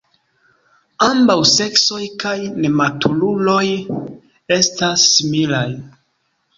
Ambaŭ seksoj kaj nematuruloj estas similaj.